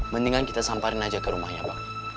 mendingan kita samparin aja ke rumahnya pak